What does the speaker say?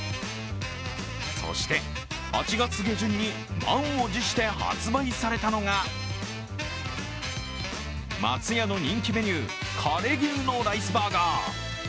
そして、８月下旬に満を持して発売されたのが松屋の人気メニュー、カレギュウのライスバーガー。